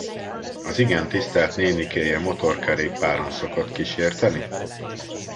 Az igen tisztelt nénikéje motorkerékpáron szokott kísérteni?